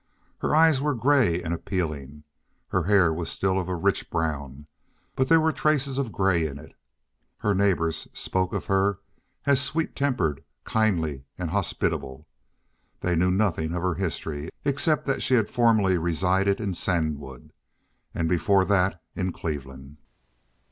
Her eyes were gray and appealing. Her hair was still of a rich brown, but there were traces of gray in it. Her neighbors spoke of her as sweet tempered, kindly, and hospitable. They knew nothing of her history, except that she had formerly resided in Sandwood, and before that in Cleveland.